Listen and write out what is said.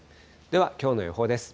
ではきょうの予報です。